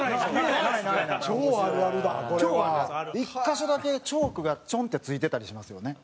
１カ所だけチョークがチョンって付いてたりしますよね？